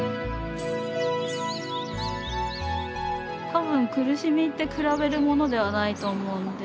多分苦しみって比べるものではないと思うんで。